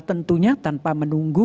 tentunya tanpa menunggu